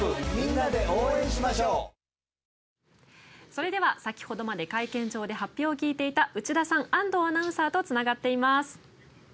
それでは先ほどまで会見場で発表を聞いていた内田さん、安藤アナウンサーとつながっています。